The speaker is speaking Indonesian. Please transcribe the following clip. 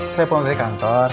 saya panggilan dari kantor